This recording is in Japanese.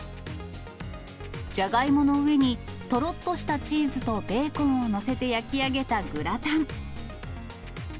ジャガイモの上にとろっとしたチーズとベーコンを載せて焼き上げたグラタン。